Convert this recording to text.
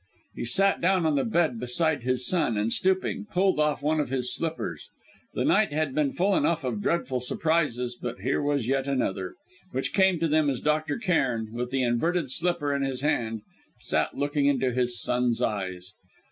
He sat down on the bed beside his son, and, stooping, pulled off one of his slippers. The night had been full enough of dreadful surprises; but here was yet another, which came to them as Dr. Cairn, with the inverted slipper in his hand, sat looking into his son's eyes.